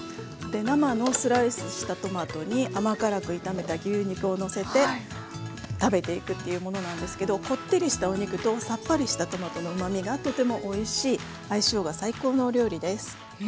生のスライスしたトマトに甘辛く炒めた牛肉をのせて食べていくというものなんですけどこってりしたお肉とさっぱりしたトマトのうまみがとてもおいしい相性が最高のお料理です。